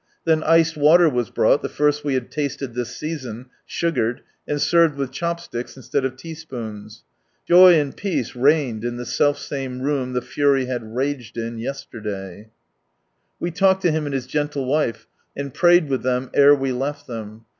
Then iced water was brought, the first we had tasted this season, sugared, and served with chopsticks instead of teaspoons. Joy and peace reigned in the selfsame room, the fury had raged in, yesterday. From Sunrise Land We talked to him, and his gentle wife, and prayed with them ere we left them.